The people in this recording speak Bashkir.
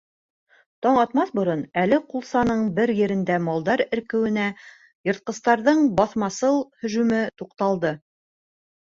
Таң атмаҫ борон әле ҡулсаның бер ерендә малдар эркеүенә йыртҡыстарҙың баҫмасыл һөжүме туҡталды.